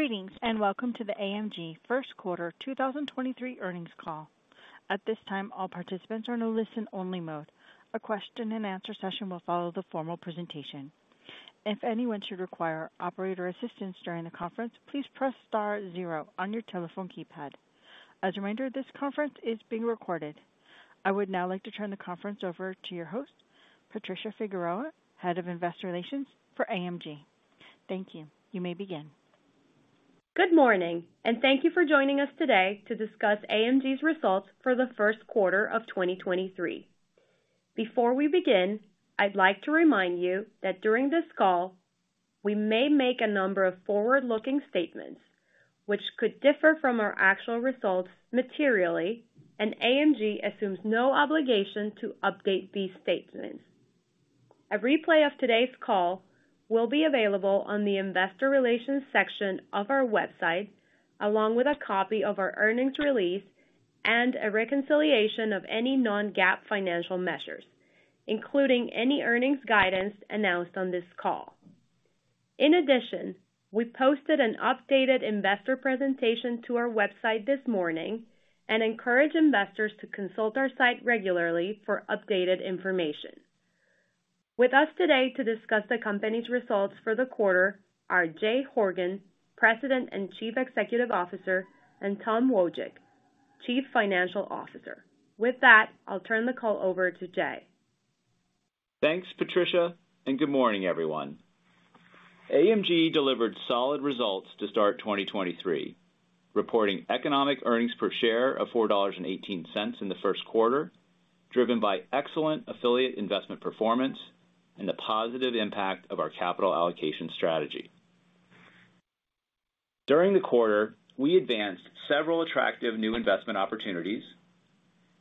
Greetings, welcome to the AMG First Quarter 2023 Earnings Call. At this time, all participants are in a listen-only mode. A question and answer session will follow the formal presentation. If anyone should require operator assistance during the conference, please press star zero on your telephone keypad. As a reminder, this conference is being recorded. I would now like to turn the conference over to your host, Patricia Figueroa, Head of Investor Relations for AMG. Thank you. You may begin. Good morning. Thank you for joining us today to discuss AMG's results for the first quarter of 2023. Before we begin, I'd like to remind you that during this call, we may make a number of forward-looking statements which could differ from our actual results materially. AMG assumes no obligation to update these statements. A replay of today's call will be available on the investor relations section of our website, along with a copy of our earnings release and a reconciliation of any non-GAAP financial measures, including any earnings guidance announced on this call. In addition, we posted an updated investor presentation to our website this morning and encourage investors to consult our site regularly for updated information. With us today to discuss the company's results for the quarter are Jay Horgen, President and Chief Executive Officer, and Tom Wojcik, Chief Financial Officer. With that, I'll turn the call over to Jay. Thanks, Patricia. Good morning, everyone. AMG delivered solid results to start 2023, reporting economic earnings per share of $4.18 in the first quarter, driven by excellent affiliate investment performance and the positive impact of our capital allocation strategy. During the quarter, we advanced several attractive new investment opportunities.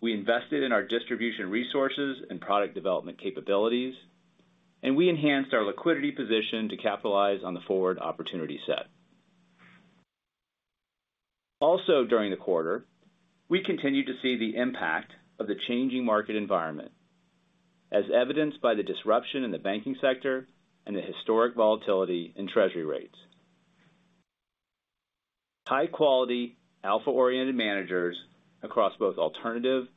We invested in our distribution resources and product development capabilities, and we enhanced our liquidity position to capitalize on the forward opportunity set. During the quarter, we continued to see the impact of the changing market environment, as evidenced by the disruption in the banking sector and the historic volatility in treasury rates. High quality, alpha-oriented managers across both alternative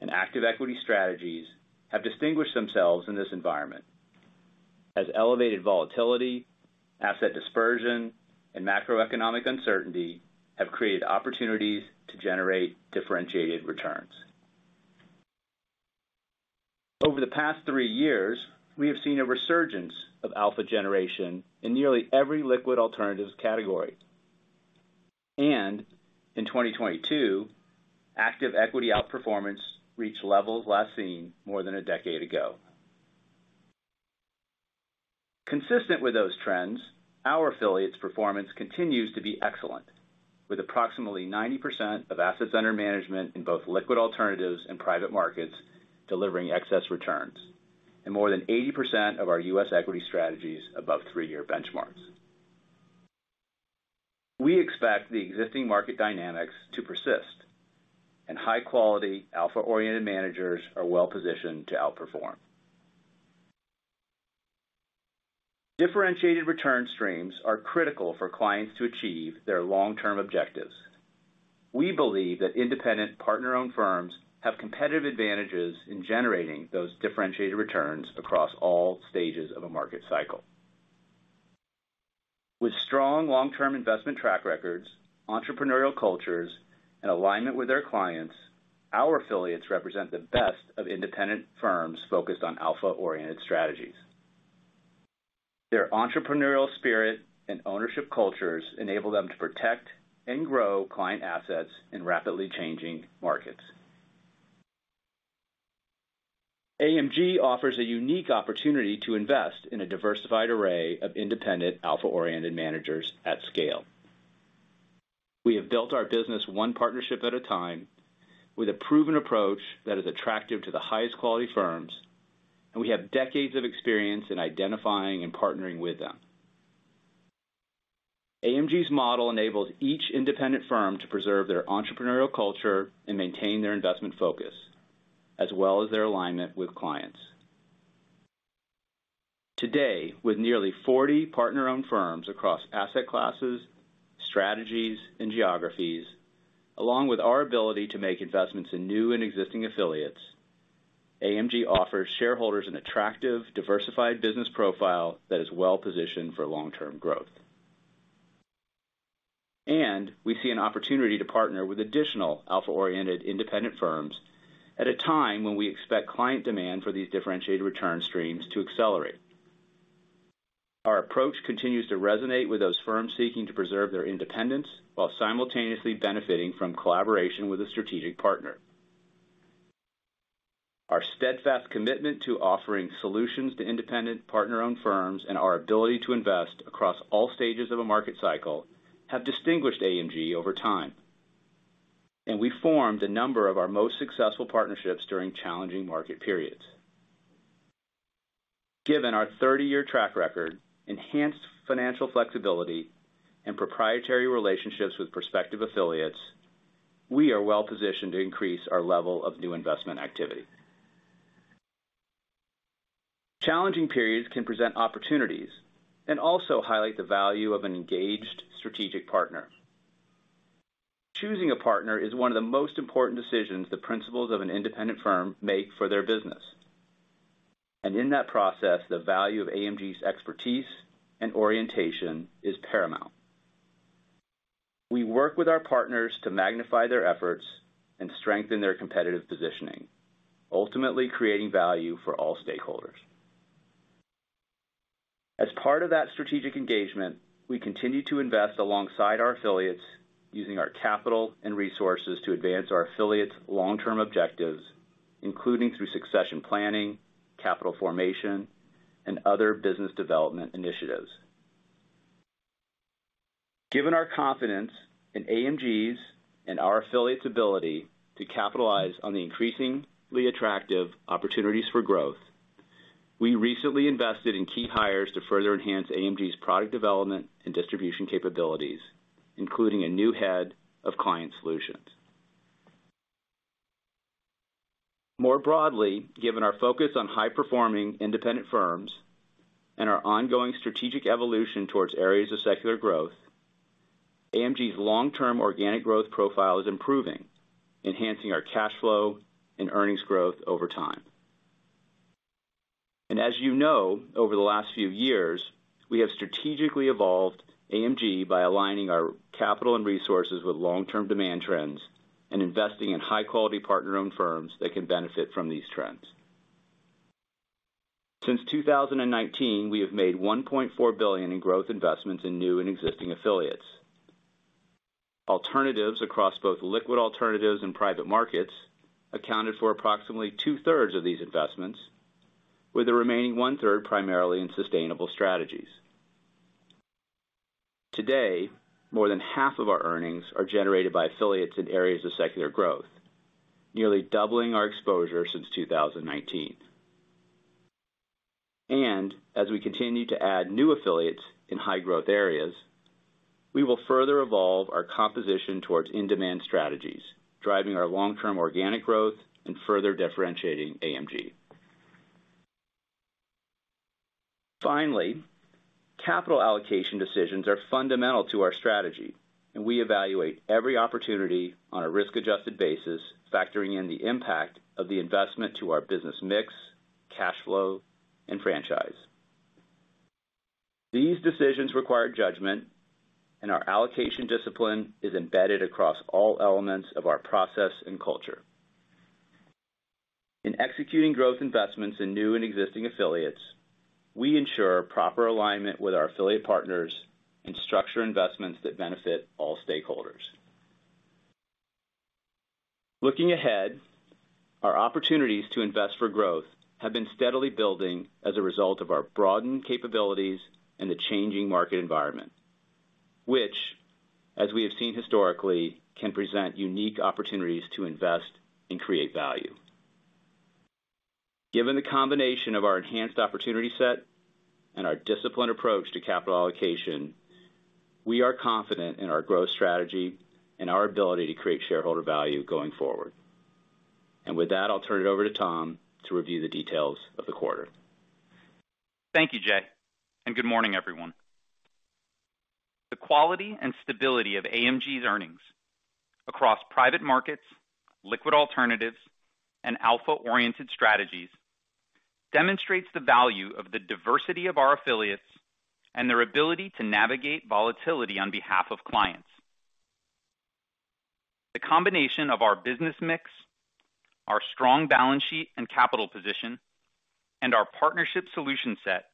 and active equity strategies have distinguished themselves in this environment as elevated volatility, asset dispersion, and macroeconomic uncertainty have created opportunities to generate differentiated returns. Over the past three years, we have seen a resurgence of alpha generation in nearly every liquid alternatives category. In 2022, active equity outperformance reached levels last seen more than a decade ago. Consistent with those trends, our affiliates' performance continues to be excellent, with approximately 90% of assets under management in both liquid alternatives and private markets delivering excess returns, and more than 80% of our U.S. equity strategies above three-year benchmarks. We expect the existing market dynamics to persist, and high quality, alpha-oriented managers are well-positioned to outperform. Differentiated return streams are critical for clients to achieve their long-term objectives. We believe that independent partner-owned firms have competitive advantages in generating those differentiated returns across all stages of a market cycle. With strong long-term investment track records, entrepreneurial cultures, and alignment with their clients, our affiliates represent the best of independent firms focused on alpha-oriented strategies. Their entrepreneurial spirit and ownership cultures enable them to protect and grow client assets in rapidly changing markets. AMG offers a unique opportunity to invest in a diversified array of independent, alpha-oriented managers at scale. We have built our business one partnership at a time with a proven approach that is attractive to the highest quality firms, and we have decades of experience in identifying and partnering with them. AMG's model enables each independent firm to preserve their entrepreneurial culture and maintain their investment focus, as well as their alignment with clients. Today, with nearly 40 partner-owned firms across asset classes, strategies, and geographies, along with our ability to make investments in new and existing affiliates, AMG offers shareholders an attractive, diversified business profile that is well-positioned for long-term growth. We see an opportunity to partner with additional alpha-oriented independent firms at a time when we expect client demand for these differentiated return streams to accelerate. Our approach continues to resonate with those firms seeking to preserve their independence while simultaneously benefiting from collaboration with a strategic partner. Our steadfast commitment to offering solutions to independent partner-owned firms and our ability to invest across all stages of a market cycle have distinguished AMG over time. We formed a number of our most successful partnerships during challenging market periods. Given our 30-year track record, enhanced financial flexibility, and proprietary relationships with prospective affiliates, we are well-positioned to increase our level of new investment activity. Challenging periods can present opportunities and also highlight the value of an engaged strategic partner. Choosing a partner is one of the most important decisions the principals of an independent firm make for their business. In that process, the value of AMG's expertise and orientation is paramount. We work with our partners to magnify their efforts and strengthen their competitive positioning, ultimately creating value for all stakeholders. As part of that strategic engagement, we continue to invest alongside our affiliates using our capital and resources to advance our affiliates' long-term objectives, including through succession planning, capital formation, and other business development initiatives. Given our confidence in AMG's and our affiliates ability to capitalize on the increasingly attractive opportunities for growth, we recently invested in key hires to further enhance AMG's product development and distribution capabilities, including a new head of client solutions. Given our focus on high-performing independent firms and our ongoing strategic evolution towards areas of secular growth, AMG's long-term organic growth profile is improving, enhancing our cash flow and earnings growth over time. As you know, over the last few years, we have strategically evolved AMG by aligning our capital and resources with long-term demand trends and investing in high-quality partner-owned firms that can benefit from these trends. Since 2019, we have made $1.4 billion in growth investments in new and existing affiliates. Alternatives across both liquid alternatives and private markets accounted for approximately two-thirds of these investments, with the remaining one-third primarily in sustainable strategies. Today, more than half of our earnings are generated by affiliates in areas of secular growth, nearly doubling our exposure since 2019. As we continue to add new affiliates in high-growth areas, we will further evolve our composition towards in-demand strategies, driving our long-term organic growth and further differentiating AMG. Finally, capital allocation decisions are fundamental to our strategy, and we evaluate every opportunity on a risk-adjusted basis, factoring in the impact of the investment to our business mix, cash flow, and franchise. These decisions require judgment, our allocation discipline is embedded across all elements of our process and culture. In executing growth investments in new and existing affiliates, we ensure proper alignment with our affiliate partners and structure investments that benefit all stakeholders. Looking ahead, our opportunities to invest for growth have been steadily building as a result of our broadened capabilities and the changing market environment, which, as we have seen historically, can present unique opportunities to invest and create value. Given the combination of our enhanced opportunity set and our disciplined approach to capital allocation, we are confident in our growth strategy and our ability to create shareholder value going forward. With that, I'll turn it over to Tom to review the details of the quarter. Thank you, Jay, and good morning, everyone. The quality and stability of AMG's earnings across private markets, liquid alternatives, and alpha-oriented strategies demonstrates the value of the diversity of our affiliates and their ability to navigate volatility on behalf of clients. The combination of our business mix, our strong balance sheet and capital position, and our partnership solution set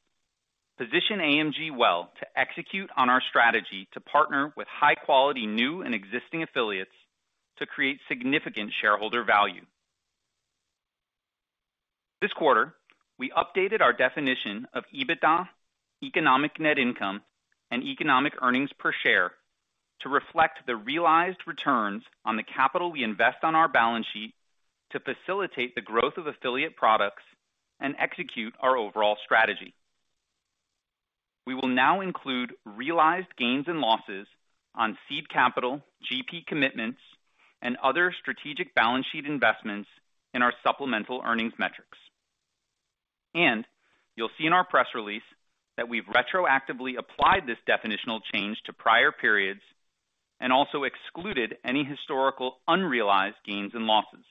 position AMG well to execute on our strategy to partner with high-quality new and existing affiliates to create significant shareholder value. This quarter, we updated our definition of EBITDA, economic net income, and economic earnings per share to reflect the realized returns on the capital we invest on our balance sheet to facilitate the growth of affiliate products and execute our overall strategy. We will now include realized gains and losses on seed capital, GP commitments, and other strategic balance sheet investments in our supplemental earnings metrics. You'll see in our press release that we've retroactively applied this definitional change to prior periods and also excluded any historical unrealized gains and losses.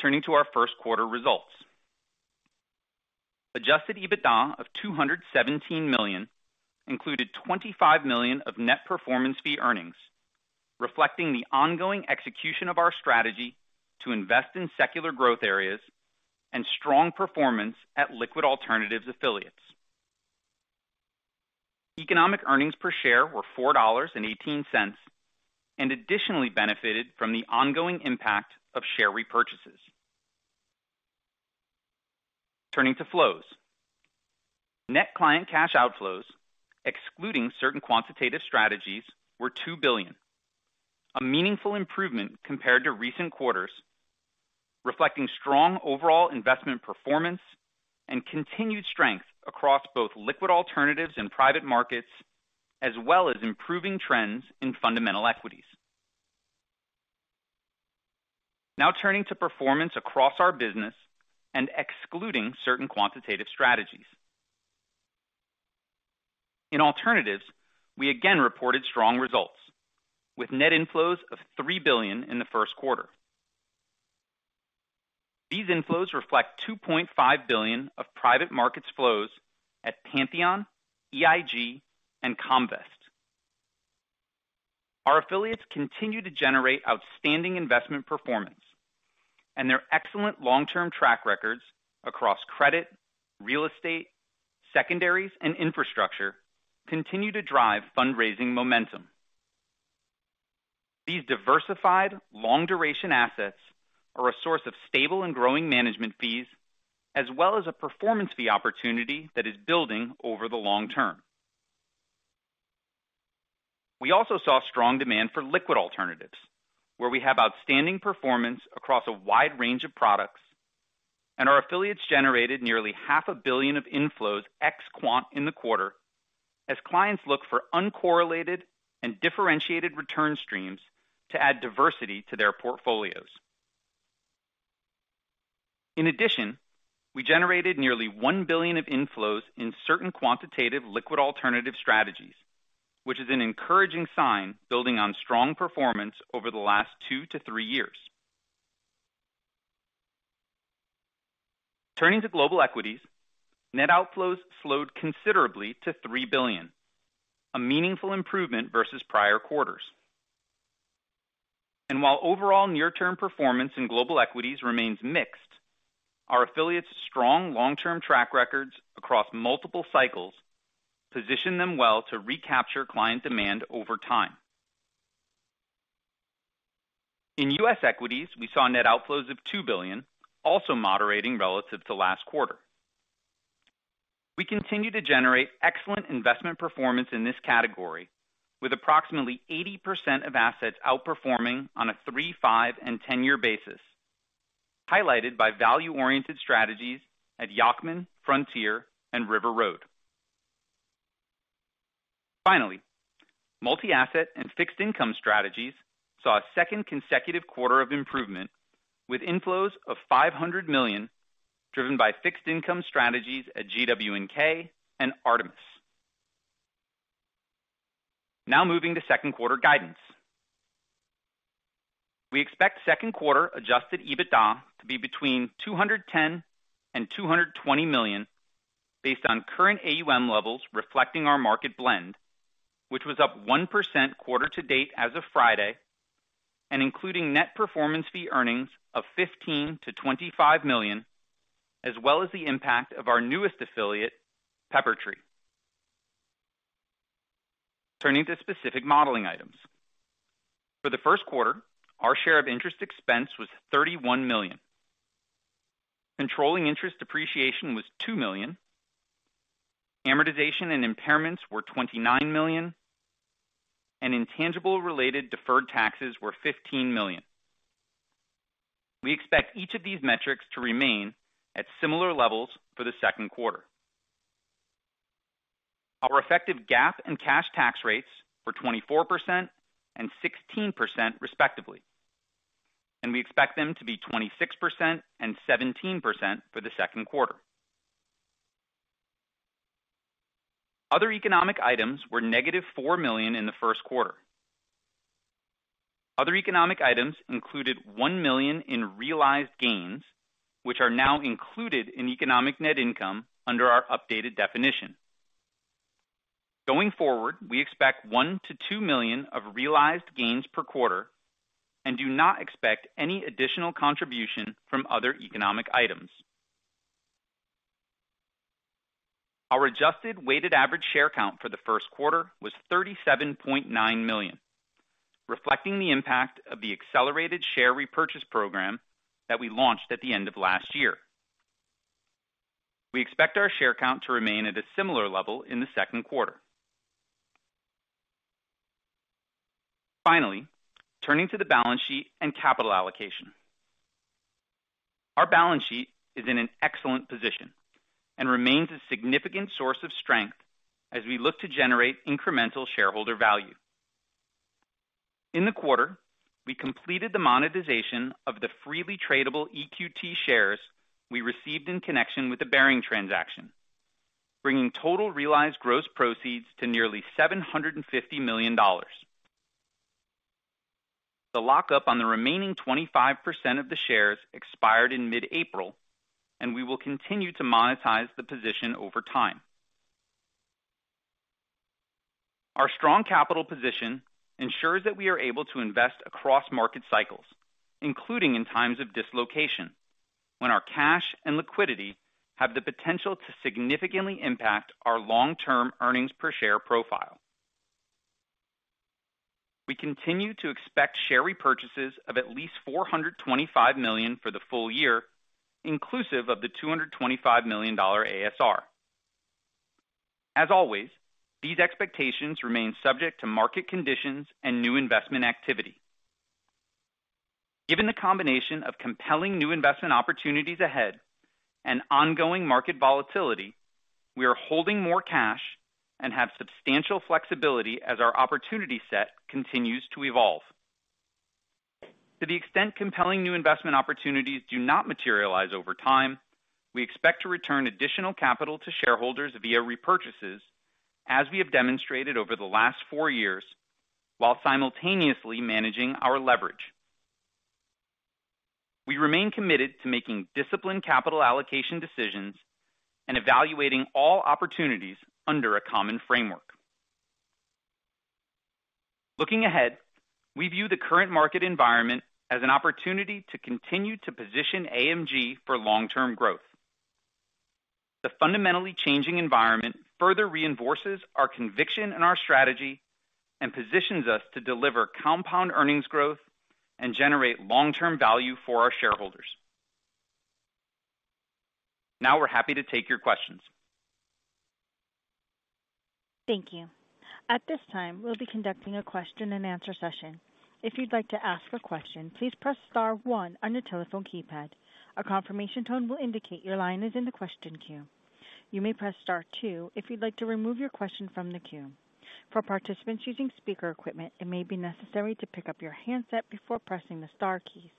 Turning to our first quarter results. Adjusted EBITDA of $217 million included $25 million of net performance fee earnings, reflecting the ongoing execution of our strategy to invest in secular growth areas and strong performance at liquid alternatives affiliates. Economic earnings per share were $4.18 and additionally benefited from the ongoing impact of share repurchases. Turning to flows. Net client cash outflows, excluding certain quantitative strategies, were $2 billion, a meaningful improvement compared to recent quarters, reflecting strong overall investment performance and continued strength across both liquid alternatives and private markets, as well as improving trends in fundamental equities. Turning to performance across our business and excluding certain quantitative strategies. In alternatives, we again reported strong results with net inflows of $3 billion in the first quarter. These inflows reflect $2.5 billion of private markets flows at Pantheon, EIG, and Comvest. Our affiliates continue to generate outstanding investment performance and their excellent long-term track records across credit, real estate, secondaries, and infrastructure continue to drive fundraising momentum. These diversified long-duration assets are a source of stable and growing management fees as well as a performance fee opportunity that is building over the long term. We also saw strong demand for liquid alternatives where we have outstanding performance across a wide range of products. Our affiliates generated nearly half a billion of inflows ex quant in the quarter as clients look for uncorrelated and differentiated return streams to add diversity to their portfolios. In addition, we generated nearly $1 billion of inflows in certain quantitative liquid alternative strategies, which is an encouraging sign building on strong performance over the last two to three years. Turning to global equities, net outflows slowed considerably to $3 billion, a meaningful improvement versus prior quarters. While overall near-term performance in global equities remains mixed, our affiliates strong long-term track records across multiple cycles position them well to recapture client demand over time. In U.S. equities, we saw net outflows of $2 billion also moderating relative to last quarter. We continue to generate excellent investment performance in this category with approximately 80% of assets outperforming on a three, five, and 10-year basis, highlighted by value-oriented strategies at Yacktman, Frontier, and River Road. Multi-asset and fixed income strategies saw a second consecutive quarter of improvement with inflows of $500 million, driven by fixed income strategies at GW&K and Artemis. Moving to second quarter guidance. We expect second quarter adjusted EBITDA to be between $210 million-$220 million based on current AUM levels reflecting our market blend, which was up 1% quarter to date as of Friday, and including net performance fee earnings of $15 million-$25 million, as well as the impact of our newest affiliate, Peppertree. To specific modeling items. For the first quarter, our share of interest expense was $31 million. Controlling interest depreciation was $2 million. Amortization and impairments were $29 million, and intangible related deferred taxes were $15 million. We expect each of these metrics to remain at similar levels for the second quarter. Our effective GAAP and cash tax rates were 24% and 16% respectively, and we expect them to be 26% and 17% for the second quarter. Other economic items were -$4 million in the first quarter. Other economic items included $1 million in realized gains, which are now included in economic net income under our updated definition. Going forward, we expect $1 million-$2 million of realized gains per quarter and do not expect any additional contribution from other economic items. Our adjusted weighted average share count for the first quarter was 37.9 million, reflecting the impact of the accelerated share repurchase program that we launched at the end of last year. We expect our share count to remain at a similar level in the second quarter. Turning to the balance sheet and capital allocation. Our balance sheet is in an excellent position and remains a significant source of strength as we look to generate incremental shareholder value. In the quarter, we completed the monetization of the freely tradable EQT shares we received in connection with the Baring transaction, bringing total realized gross proceeds to nearly $750 million. The lockup on the remaining 25% of the shares expired in mid-April. We will continue to monetize the position over time. Our strong capital position ensures that we are able to invest across market cycles, including in times of dislocation when our cash and liquidity have the potential to significantly impact our long-term earnings per share profile. We continue to expect share repurchases of at least $425 million for the full year, inclusive of the $225 million ASR. As always, these expectations remain subject to market conditions and new investment activity. Given the combination of compelling new investment opportunities ahead and ongoing market volatility, we are holding more cash and have substantial flexibility as our opportunity set continues to evolve. To the extent compelling new investment opportunities do not materialize over time, we expect to return additional capital to shareholders via repurchases, as we have demonstrated over the last four years, while simultaneously managing our leverage. We remain committed to making disciplined capital allocation decisions and evaluating all opportunities under a common framework. Looking ahead, we view the current market environment as an opportunity to continue to position AMG for long-term growth. The fundamentally changing environment further reinforces our conviction in our strategy and positions us to deliver compound earnings growth and generate long-term value for our shareholders. Now we're happy to take your questions. Thank you. At this time, we'll be conducting a question-and-answer session. If you'd like to ask a question, please press star one on your telephone keypad. A confirmation tone will indicate your line is in the question queue. You may press star two if you'd like to remove your question from the queue. For participants using speaker equipment, it may be necessary to pick up your handset before pressing the star keys.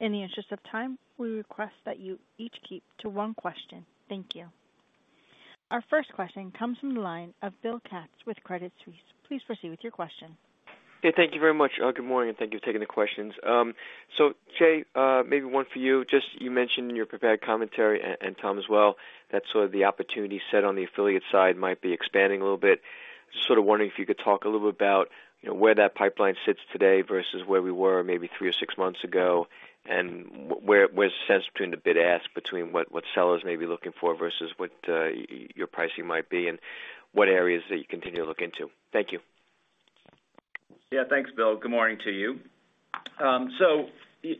In the interest of time, we request that you each keep to one question. Thank you. Our first question comes from the line of Bill Katz with Credit Suisse. Please proceed with your question. Yeah, thank you very much. Good morning, and thank you for taking the questions. Jay, maybe one for you. Just you mentioned in your prepared commentary, and Tom as well, that sort of the opportunity set on the affiliate side might be expanding a little bit. Just sort of wondering if you could talk a little bit about, you know, where that pipeline sits today versus where we were maybe three or six months ago, and where's the sense between the bid-ask between what sellers may be looking for versus what your pricing might be and what areas that you continue to look into? Thank you. Yeah. Thanks, Bill. Good morning to you.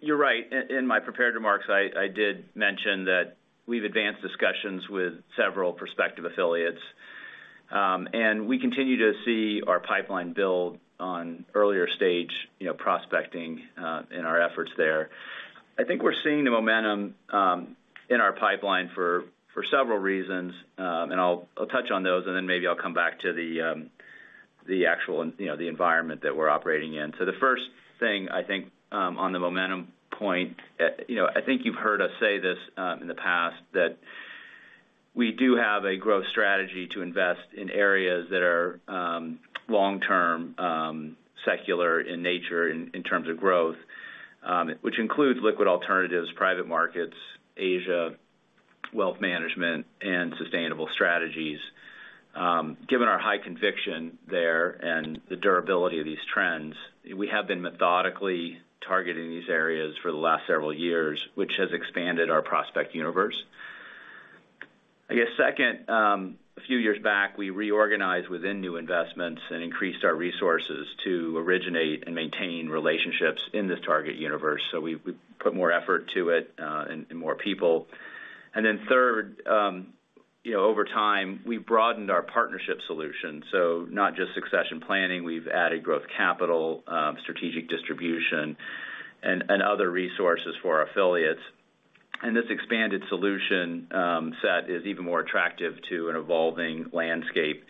You're right. In my prepared remarks, I did mention that we've advanced discussions with several prospective affiliates. We continue to see our pipeline build on earlier stage, you know, prospecting in our efforts there. I think we're seeing the momentum in our pipeline for several reasons. I'll touch on those, and then maybe I'll come back to the you know, the actual environment that we're operating in. The first thing I think, you know, I think you've heard us say this in the past, that we do have a growth strategy to invest in areas that are long-term, secular in nature in terms of growth, which includes liquid alternatives, private markets, Asia, wealth management, and sustainable strategies. Given our high conviction there and the durability of these trends, we have been methodically targeting these areas for the last several years, which has expanded our prospect universe. I guess second, a few years back, we reorganized within new investments and increased our resources to originate and maintain relationships in this target universe. We've put more effort to it and more people. Third, you know, over time, we've broadened our partnership solution. Not just succession planning. We've added growth capital, strategic distribution and other resources for our affiliates. This expanded solution set is even more attractive to an evolving landscape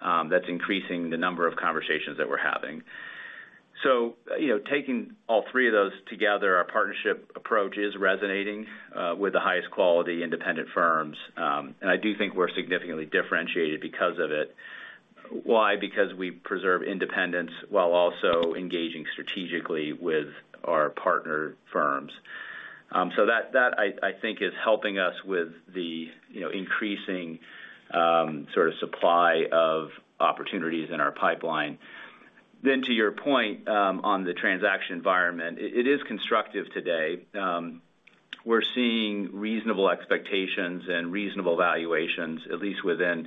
that's increasing the number of conversations that we're having. You know, taking all three of those together, our partnership approach is resonating with the highest quality independent firms. I do think we're significantly differentiated because of it. Why? Because we preserve independence while also engaging strategically with our partner firms. That I think is helping us with the, you know, increasing sort of supply of opportunities in our pipeline. To your point on the transaction environment, it is constructive today. We're seeing reasonable expectations and reasonable valuations, at least within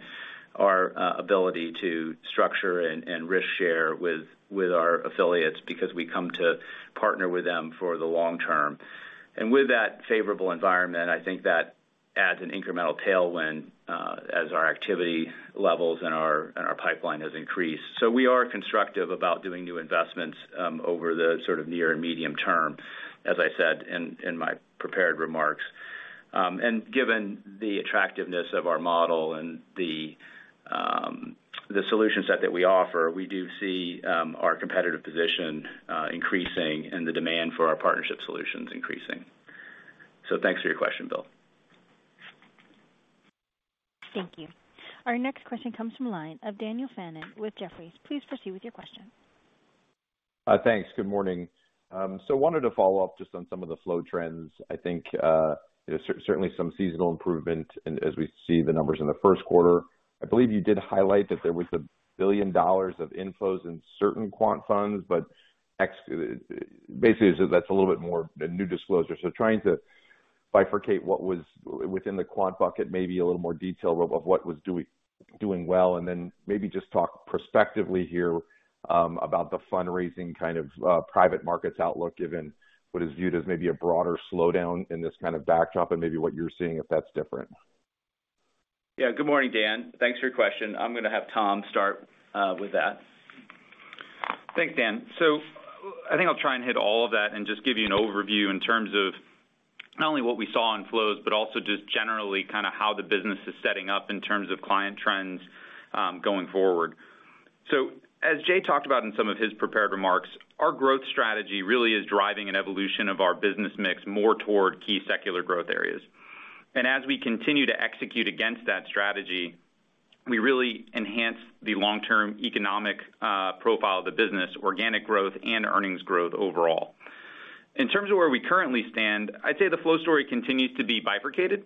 our ability to structure and risk share with our affiliates because we come to partner with them for the long term. With that favorable environment, I think that adds an incremental tailwind as our activity levels and our pipeline has increased. We are constructive about doing new investments over the sort of near and medium term, as I said in my prepared remarks. Given the attractiveness of our model and the solution set that we offer, we do see our competitive position increasing and the demand for our partnership solutions increasing. Thanks for your question, Bill. Thank you. Our next question comes from line of Daniel Fannon with Jefferies. Please proceed with your question. Thanks. Good morning. Wanted to follow up just on some of the flow trends. I think there's certainly some seasonal improvement as we see the numbers in the first quarter. I believe you did highlight that there was $1 billion of inflows in certain quant funds. Basically, that's a little bit more a new disclosure. Trying to bifurcate what was within the quant bucket, maybe a little more detail about what was doing well. Maybe just talk prospectively here about the fundraising kind of private markets outlook, given what is viewed as maybe a broader slowdown in this kind of backdrop and maybe what you're seeing, if that's different. Yeah. Good morning, Dan. Thanks for your question. I'm gonna have Tom start with that. Thanks, Dan. I think I'll try and hit all of that and just give you an overview in terms of not only what we saw in flows, but also just generally kinda how the business is setting up in terms of client trends going forward. As Jay talked about in some of his prepared remarks, our growth strategy really is driving an evolution of our business mix more toward key secular growth areas. As we continue to execute against that strategy, we really enhance the long-term economic profile of the business, organic growth and earnings growth overall. In terms of where we currently stand, I'd say the flow story continues to be bifurcated,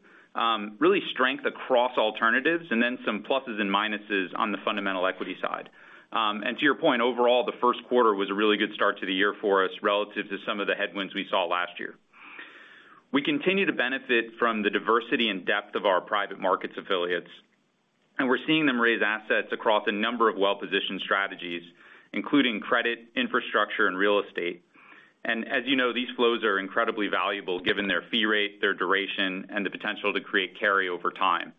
really strength across alternatives and then some pluses and minuses on the fundamental equity side. To your point, overall, the first quarter was a really good start to the year for us relative to some of the headwinds we saw last year. We continue to benefit from the diversity and depth of our private markets affiliates, and we're seeing them raise assets across a number of well-positioned strategies, including credit, infrastructure, and real estate. As you know, these flows are incredibly valuable, given their fee rate, their duration, and the potential to create carry over time.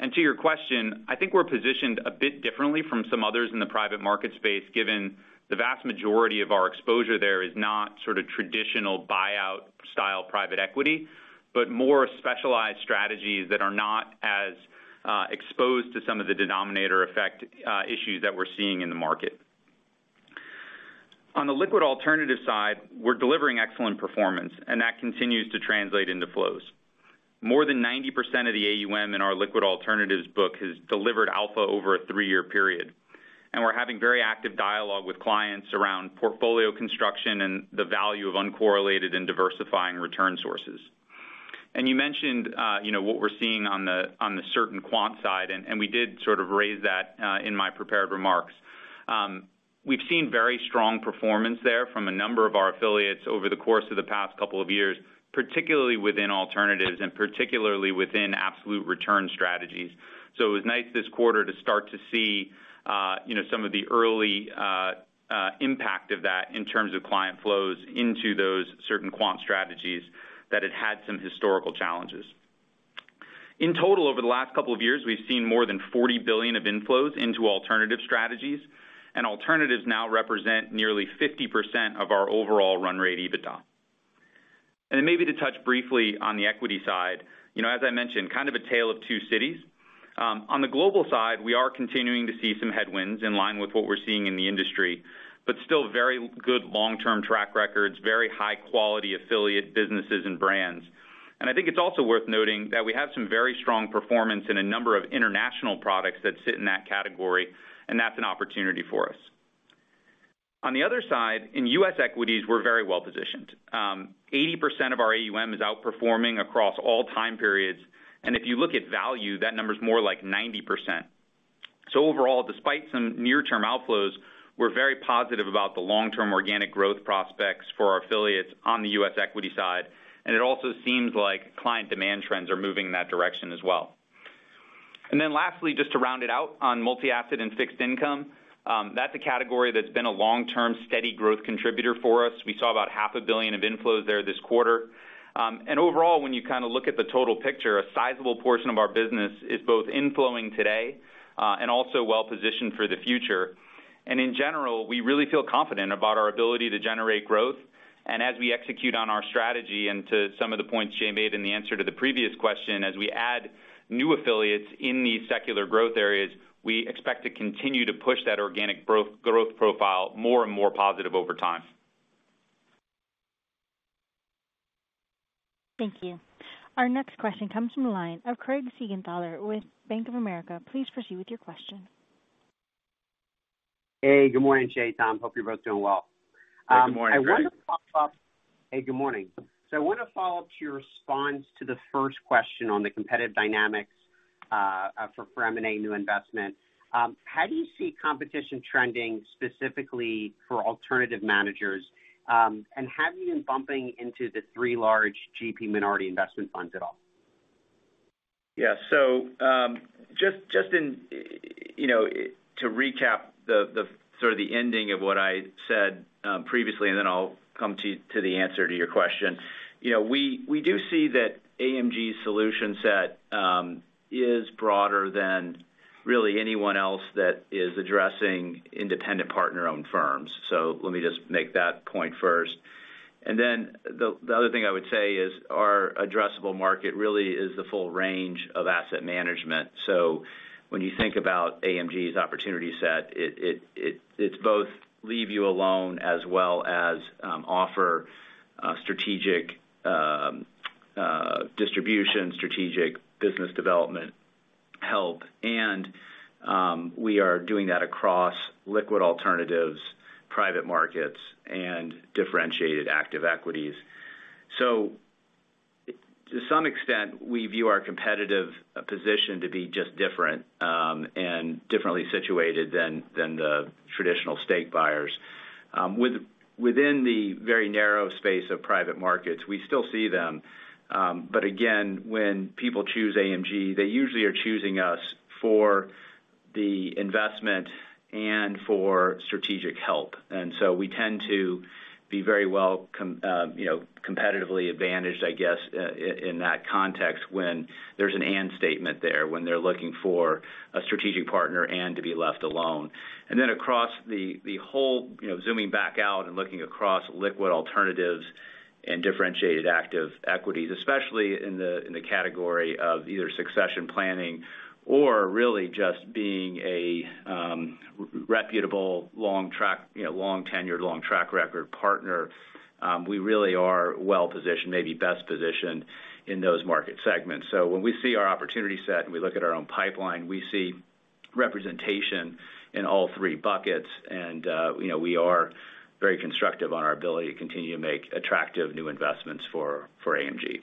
To your question, I think we're positioned a bit differently from some others in the private market space, given the vast majority of our exposure there is not sort of traditional buyout style private equity, but more specialized strategies that are not as exposed to some of the denominator effect issues that we're seeing in the market. On the liquid alternative side, we're delivering excellent performance, and that continues to translate into flows. More than 90% of the AUM in our liquid alternatives book has delivered alpha over a three-year period, and we're having very active dialogue with clients around portfolio construction and the value of uncorrelated and diversifying return sources. You mentioned, you know, what we're seeing on the certain quant side, we did sort of raise that in my prepared remarks. We've seen very strong performance there from a number of our affiliates over the course of the past couple of years, particularly within alternatives and particularly within absolute return strategies. It was nice this quarter to start to see, you know, some of the early impact of that in terms of client flows into those certain quant strategies that had some historical challenges. In total, over the last couple of years, we've seen more than $40 billion of inflows into alternative strategies, and alternatives now represent nearly 50% of our overall run rate EBITDA. Then maybe to touch briefly on the equity side. You know, as I mentioned, kind of a tale of two cities. On the global side, we are continuing to see some headwinds in line with what we're seeing in the industry, but still very good long-term track records, very high-quality affiliate businesses and brands. I think it's also worth noting that we have some very strong performance in a number of international products that sit in that category, and that's an opportunity for us. On the other side, in U.S. equities, we're very well-positioned. 80% of our AUM is outperforming across all time periods. If you look at value, that number is more like 90%. Overall, despite some near-term outflows, we're very positive about the long-term organic growth prospects for our affiliates on the U.S. equity side, and it also seems like client demand trends are moving in that direction as well. Lastly, just to round it out on multi-asset and fixed income, that's a category that's been a long-term steady growth contributor for us. We saw about half a billion of inflows there this quarter. Overall, when you kinda look at the total picture, a sizable portion of our business is both inflowing today, and also well-positioned for the future. In general, we really feel confident about our ability to generate growth. As we execute on our strategy, and to some of the points Jay made in the answer to the previous question, as we add new affiliates in these secular growth areas, we expect to continue to push that organic growth profile more and more positive over time. Thank you. Our next question comes from the line of Craig Siegenthaler with Bank of America. Please proceed with your question. Hey, good morning, Jay, Tom, hope you're both doing well. Good morning. Hey. Hey, good morning. I wanna follow up to your response to the first question on the competitive dynamics for M&A new investment. How do you see competition trending specifically for alternative managers? Have you been bumping into the three large GP minority investment funds at all? Just in, you know, to recap the sort of the ending of what I said previously, and then I'll come to the answer to your question. You know, we do see that AMG solution set is broader than really anyone else that is addressing independent partner-owned firms. Let me just make that point first. The other thing I would say is our addressable market really is the full range of asset management. When you think about AMG's opportunity set, it's both leave you alone as well as offer strategic distribution, strategic business development help, and we are doing that across liquid alternatives, private markets, and differentiated active equities. To some extent, we view our competitive position to be just different, and differently situated than the traditional stake buyers. Within the very narrow space of private markets, we still see them. Again, when people choose AMG, they usually are choosing us. For the investment and for strategic help. We tend to be very well, you know, competitively advantaged, I guess, in that context when there's an and statement there, when they're looking for a strategic partner and to be left alone. Across the whole, you know, zooming back out and looking across liquid alternatives and differentiated active equities, especially in the category of either succession planning or really just being a reputable long track, you know, long tenure, long track record partner, we really are well-positioned, maybe best positioned in those market segments. When we see our opportunity set, and we look at our own pipeline, we see representation in all three buckets. You know, we are very constructive on our ability to continue to make attractive new investments for AMG.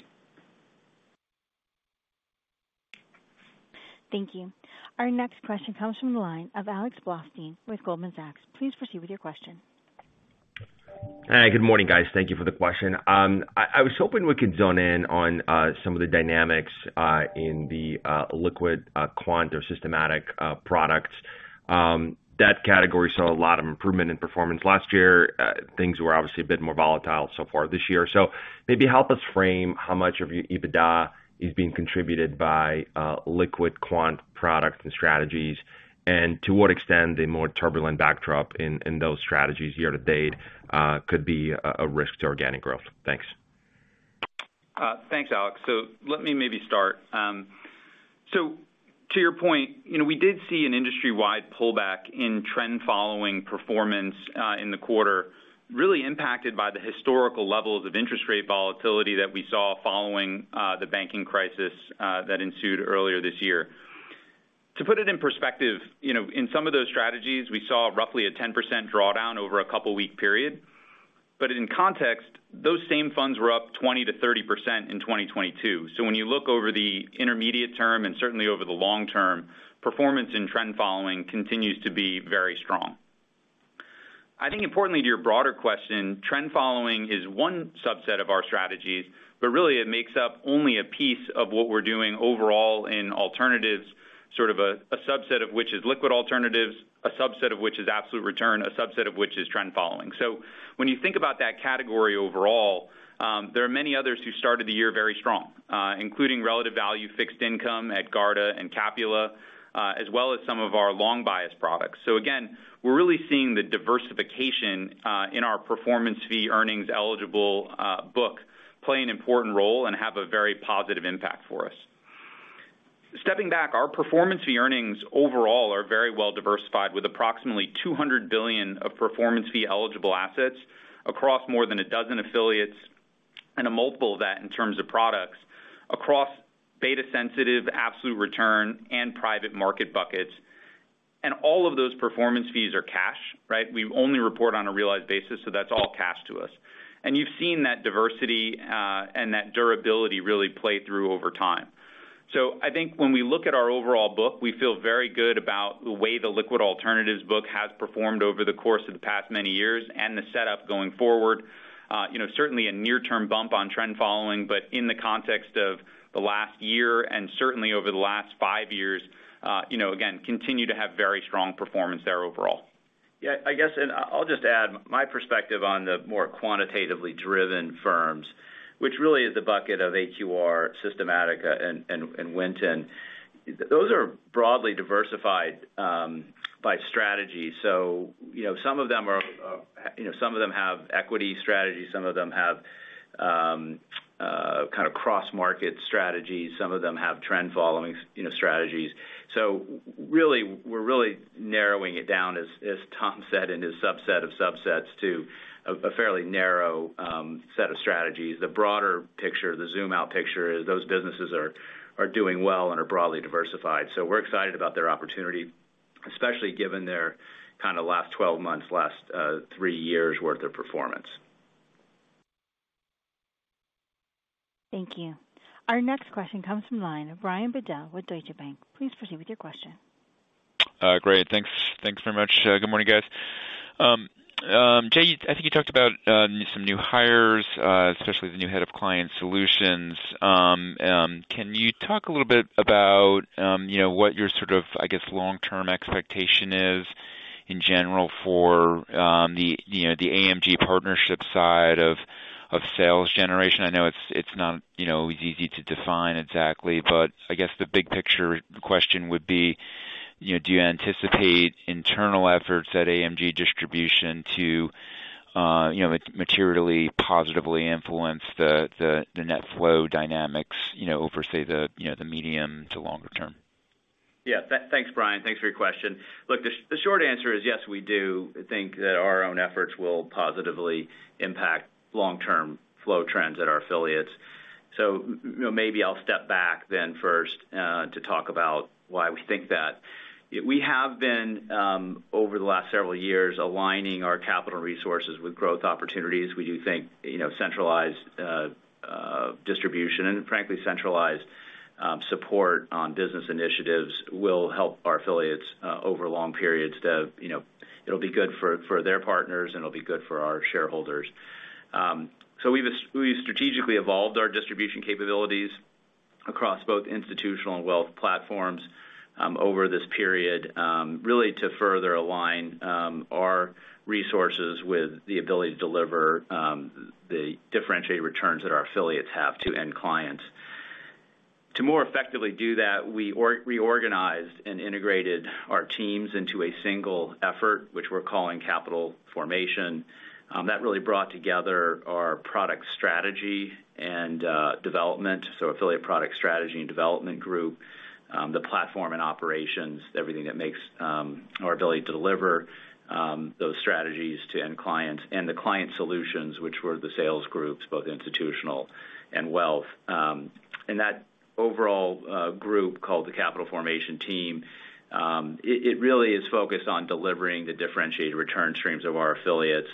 Thank you. Our next question comes from the line of Alex Blostein with Goldman Sachs. Please proceed with your question. Good morning, guys. Thank you for the question. I was hoping we could zone in on some of the dynamics in the liquid quant or systematic products. That category saw a lot of improvement in performance last year. Things were obviously a bit more volatile so far this year. Maybe help us frame how much of your EBITDA is being contributed by liquid quant products and strategies, and to what extent a more turbulent backdrop in those strategies year to date could be a risk to organic growth. Thanks. Thanks, Alex. Let me maybe start. To your point, you know, we did see an industry-wide pullback in trend following performance in the quarter, really impacted by the historical levels of interest rate volatility that we saw following the banking crisis that ensued earlier this year. To put it in perspective, you know, in some of those strategies, we saw roughly a 10% drawdown over a couple week period, but in context, those same funds were up 20%-30% in 2022. When you look over the intermediate term, and certainly over the long term, performance and trend following continues to be very strong. I think importantly to your broader question, trend following is one subset of our strategies, but really it makes up only a piece of what we're doing overall in alternatives, sort of a subset of which is liquid alternatives, a subset of which is absolute return, a subset of which is trend following. When you think about that category overall, there are many others who started the year very strong, including relative value fixed income at Garda and Capula, as well as some of our long bias products. Again, we're really seeing the diversification in our performance fee earnings eligible book play an important role and have a very positive impact for us. Stepping back, our performance fee earnings overall are very well diversified with approximately $200 billion of performance fee eligible assets across more than 12 affiliates and a multiple of that in terms of products across beta sensitive, absolute return, and private market buckets. All of those performance fees are cash, right? We only report on a realized basis, so that's all cash to us. You've seen that diversity and that durability really play through over time. I think when we look at our overall book, we feel very good about the way the liquid alternatives book has performed over the course of the past many years and the setup going forward. You know, certainly a near-term bump on trend following, but in the context of the last year and certainly over the last five years, you know, again, continue to have very strong performance there overall. Yeah, I guess, and I'll just add my perspective on the more quantitatively driven firms, which really is the bucket of AQR, Systematica and Winton. Those are broadly diversified by strategy. You know, some of them are, you know, some of them have equity strategies, some of them have kind of cross-market strategies, some of them have trend following, you know, strategies. Really, we're really narrowing it down, as Tom said, in his subset of subsets to a fairly narrow set of strategies. The broader picture, the zoom out picture is those businesses are doing well and are broadly diversified. We're excited about their opportunity, especially given their kind of last 12 months, last three years' worth of performance. Thank you. Our next question comes from line of Brian Bedell with Deutsche Bank. Please proceed with your question. Great. Thanks. Thanks very much. Good morning, guys. Jay, I think you talked about some new hires, especially the new head of client solutions. Can you talk a little bit about, you know, what your sort of, I guess, long-term expectation is in general for the, you know, the AMG partnership side of sales generation? I know it's not, you know, always easy to define exactly, but I guess the big picture question would be, you know, do you anticipate internal efforts at AMG Distribution to materially positively influence the net flow dynamics, you know, over say the, you know, the medium to longer term? Yeah. Thanks, Brian. Thanks for your question. Look, the short answer is yes, we do think that our own efforts will positively impact long-term flow trends at our affiliates. You know, maybe I'll step back then first to talk about why we think that. We have been over the last several years, aligning our capital resources with growth opportunities. We do think, you know, centralized distribution and frankly centralized support on business initiatives will help our affiliates over long periods to, you know... It'll be good for their partners, and it'll be good for our shareholders. We've strategically evolved our distribution capabilities across both institutional and wealth platforms over this period really to further align our resources with the ability to deliver the differentiated returns that our affiliates have to end clients. To more effectively do that, we reorganized and integrated our teams into a single effort, which we're calling capital formation. That really brought together our product strategy and development, so affiliate product strategy and development group, the platform and operations, everything that makes our ability to deliver those strategies to end clients. The client solutions, which were the sales groups, both institutional and wealth. That overall group called the capital formation team, it really is focused on delivering the differentiated return streams of our affiliates.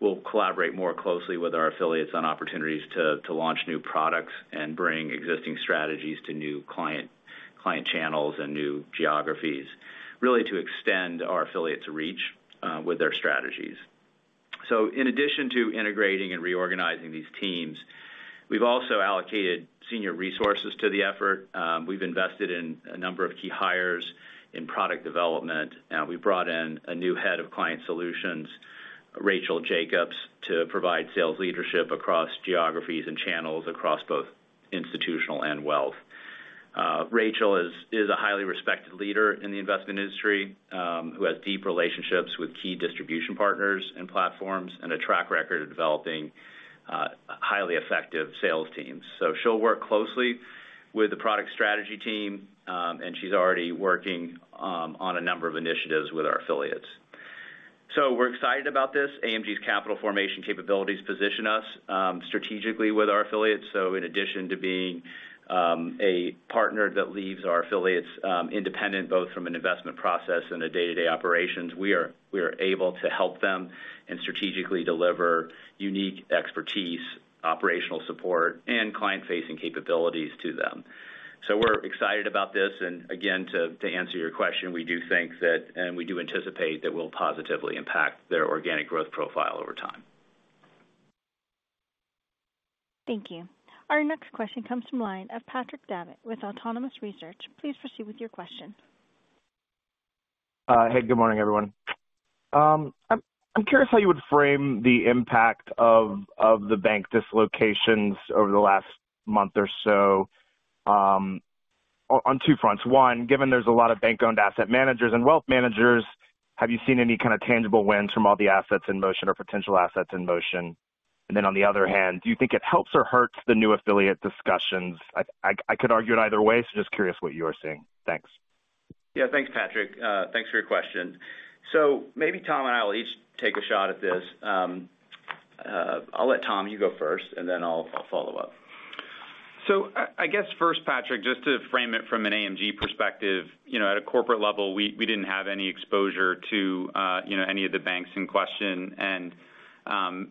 We'll collaborate more closely with our affiliates on opportunities to launch new products and bring existing strategies to new client channels and new geographies, really to extend our affiliates' reach with their strategies. In addition to integrating and reorganizing these teams, we've also allocated senior resources to the effort. We've invested in a number of key hires in product development. We brought in a new Head of Client Solutions, Rachel Jacobs, to provide sales leadership across geographies and channels across both institutional and wealth. Rachel is a highly respected leader in the investment industry, who has deep relationships with key distribution partners and platforms, and a track record of developing highly effective sales teams. She'll work closely with the product strategy team, and she's already working on a number of initiatives with our affiliates. We're excited about this. AMG's Capital Formation capabilities position us strategically with our affiliates. In addition to being a partner that leaves our affiliates independent both from an investment process and a day-to-day operations, we are able to help them and strategically deliver unique expertise, operational support, and client-facing capabilities to them. We're excited about this. Again, to answer your question, we do think that, and we do anticipate that we'll positively impact their organic growth profile over time. Thank you. Our next question comes from line of Patrick Davitt with Autonomous Research. Please proceed with your question. Hey, good morning, everyone. I'm curious how you would frame the impact of the bank dislocations over the last month or so on two fronts. One, given there's a lot of bank-owned asset managers and wealth managers, have you seen any kind of tangible wins from all the assets in motion or potential assets in motion? On the other hand, do you think it helps or hurts the new affiliate discussions? I could argue it either way, just curious what you are seeing. Thanks. Yeah. Thanks, Patrick. Thanks for your question. Maybe Tom and I will each take a shot at this. I'll let Tom, you go first, and then I'll follow up. I guess first, Patrick, just to frame it from an AMG perspective, you know, at a corporate level, we didn't have any exposure to, you know, any of the banks in question.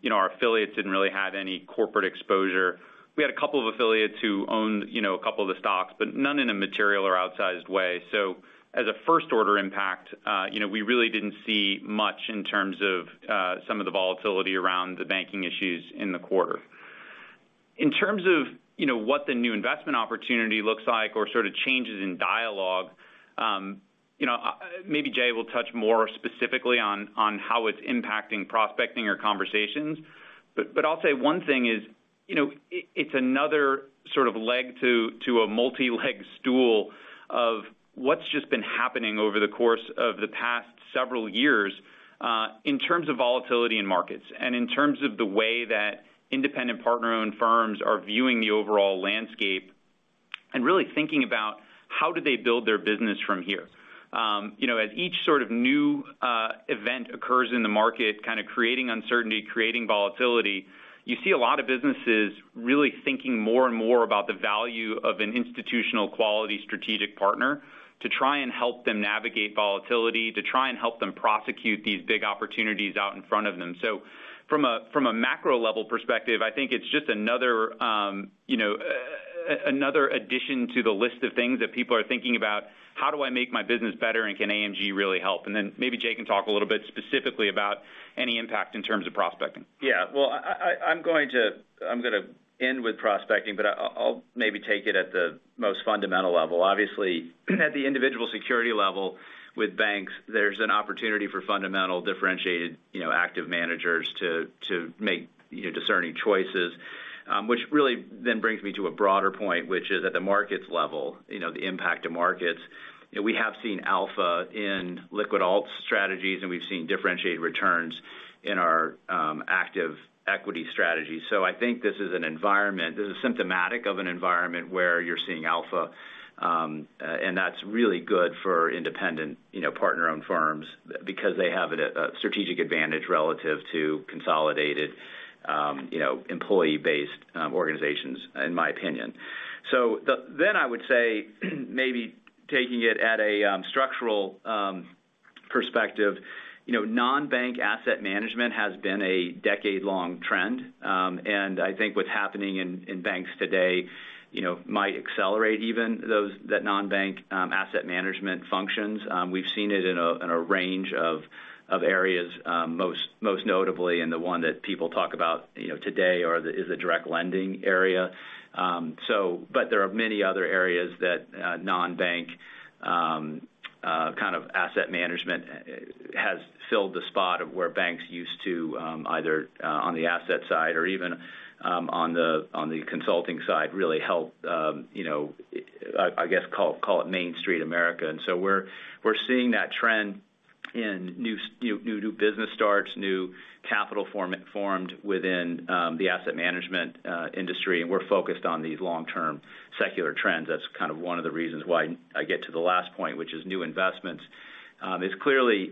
You know, our affiliates didn't really have any corporate exposure. We had a couple of affiliates who owned, you know, a couple of the stocks, but none in a material or outsized way. As a first order impact, you know, we really didn't see much in terms of, some of the volatility around the banking issues in the quarter. In terms of, you know, what the new investment opportunity looks like or sort of changes in dialogue, you know, maybe Jay will touch more specifically on how it's impacting prospecting or conversations. I'll say one thing is, you know, it's another sort of leg to a multi-leg stool of what's just been happening over the course of the past several years, in terms of volatility in markets and in terms of the way that independent partner-owned firms are viewing the overall landscape, and really thinking about how do they build their business from here. You know, as each sort of new event occurs in the market, kinda creating uncertainty, creating volatility, you see a lot of businesses really thinking more and more about the value of an institutional quality strategic partner to try and help them navigate volatility, to try and help them prosecute these big opportunities out in front of them. From a macro level perspective, I think it's just another, you know, another addition to the list of things that people are thinking about: How do I make my business better, and can AMG really help? Maybe Jay can talk a little bit specifically about any impact in terms of prospecting. Well, I'm going to, I'm gonna end with prospecting, but I'll maybe take it at the most fundamental level. Obviously, at the individual security level with banks, there's an opportunity for fundamental differentiated, you know, active managers to make, you know, discerning choices. Which really then brings me to a broader point, which is at the markets level, you know, the impact to markets. You know, we have seen alpha in liquid alt strategies, and we've seen differentiated returns in our active equity strategy. I think this is symptomatic of an environment where you're seeing alpha, and that's really good for independent, you know, partner-owned firms because they have a strategic advantage relative to consolidated, you know, employee-based organizations, in my opinion. Then I would say, maybe taking it at a structural perspective. You know, non-bank asset management has been a decade-long trend. I think what's happening in banks today, you know, might accelerate even that non-bank asset management functions. We've seen it in a range of areas, most notably and the one that people talk about, you know, today is the direct lending area. But there are many other areas that non-bank kind of asset management has filled the spot of where banks used to, either on the asset side or even on the consulting side, really help, you know, I guess call it Main Street America. We're seeing that trend in new business starts, new capital formed within the asset management industry. We're focused on these long-term secular trends. That's kind of one of the reasons why I get to the last point, which is new investments. It's clearly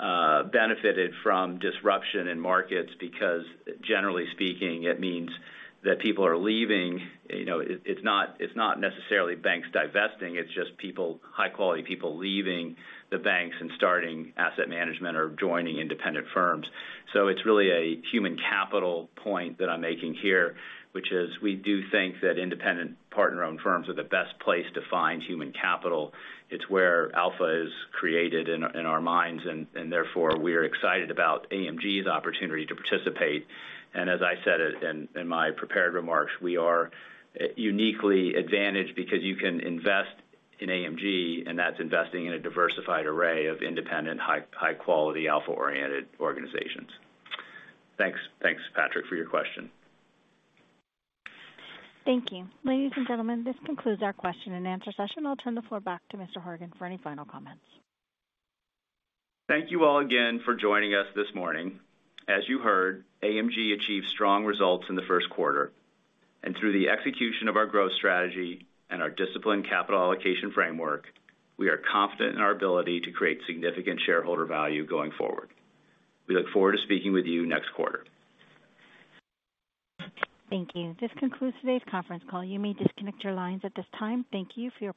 benefited from disruption in markets because generally speaking, it means that people are leaving. You know, it's not necessarily banks divesting, it's just people, high quality people, leaving the banks and starting asset management or joining independent firms. It's really a human capital point that I'm making here, which is we do think that independent partner-owned firms are the best place to find human capital. It's where alpha is created in our minds, and therefore, we are excited about AMG's opportunity to participate. As I said in my prepared remarks, we are uniquely advantaged because you can invest in AMG. That's investing in a diversified array of independent, high quality alpha-oriented organizations. Thanks, Patrick, for your question. Thank you. Ladies and gentlemen, this concludes our question-and-answer session. I'll turn the floor back to Mr. Horgen for any final comments. Thank you all again for joining us this morning. As you heard, AMG achieved strong results in the first quarter. Through the execution of our growth strategy and our disciplined capital allocation framework, we are confident in our ability to create significant shareholder value going forward. We look forward to speaking with you next quarter. Thank you. This concludes today's conference call. You may disconnect your lines at this time. Thank you for your participation.